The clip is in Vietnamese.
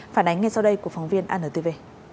phản ánh ngay sau đây của phóng viên antv